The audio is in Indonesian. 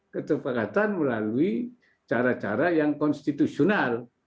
ketepakatan melalui cara cara yang konstitusional